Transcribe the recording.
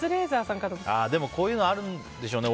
でもこういうのあるんでしょうね。